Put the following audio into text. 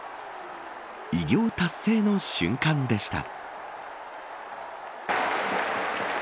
偉業達成の瞬間でした。